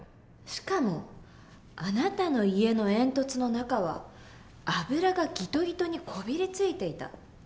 しかもあなたの家の煙突の中は油がギトギトにこびりついていた。